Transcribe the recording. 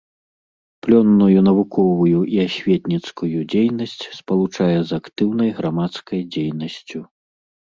Плённую навуковую і асветніцкую дзейнасць спалучае з актыўнай грамадскай дзейнасцю.